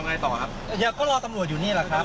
คุณรัฐกระบังใช่ไหมครับแล้วคุณชื่ออะไรครับ